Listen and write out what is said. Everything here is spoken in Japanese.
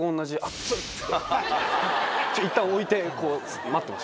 っつっていったん置いてこう待ってました。